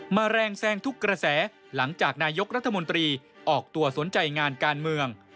แรงแซงทุกกระแสหลังจากนายกรัฐมนตรีออกตัวสนใจงานการเมือง